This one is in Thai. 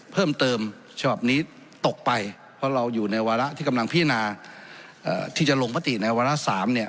เพราะเราอยู่ในวาระที่กำลังพินาเอ่อที่จะลงปฏิในวาระสามเนี้ย